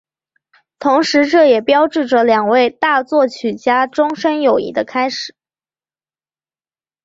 同时这也标志着两位大作曲家终身友谊的开始。